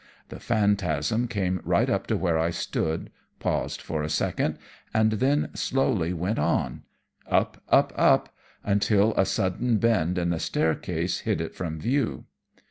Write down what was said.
The phantasm came right up to where I stood, paused for a second, and then slowly went on; up, up, up, until a sudden bend in the staircase hid it from view.